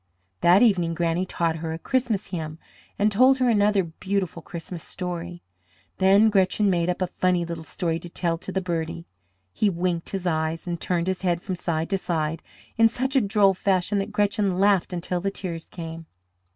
That evening Granny taught her a Christmas hymn and told her another beautiful Christmas story. Then Gretchen made up a funny little story to tell to the birdie. He winked his eyes and turned his head from side to side in such a droll fashion that Gretchen laughed until the tears came.